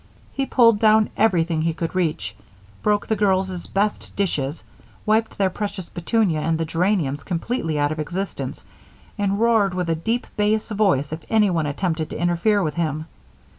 He pulled down everything he could reach, broke the girls' best dishes, wiped their precious petunia and the geraniums completely out of existence, and roared with a deep bass voice if anyone attempted to interfere with him.